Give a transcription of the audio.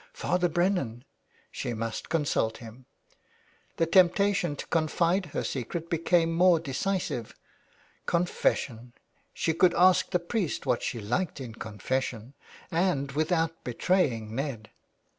Father Brennan. She must consult him. The temptation to confide her secret became more decisive. Confession ! She could ask the priest what she liked in confession, and without betraying Ned.